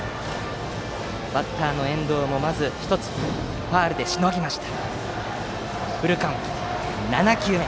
バッターの遠藤もまず１つファウルでしのぎました。